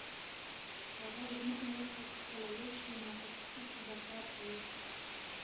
هغه ژمنه وکړه چې کله لوی شي نو په پټي کې به کار کوي.